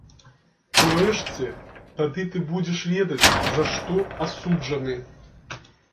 Урэшце, тады ты будзеш ведаць, за што асуджаны.